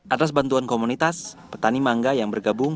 atas bantuan komunitas petani mangga yang bergabung